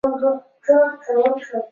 现代国画家。